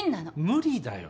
無理だよ。